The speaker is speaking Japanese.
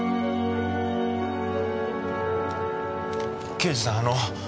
刑事さんあの。